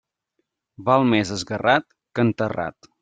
Val més esgarrat que enterrat.